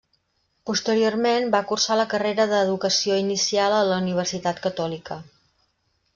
Posteriorment, va cursar la carrera Educació Inicial en la Universitat Catòlica.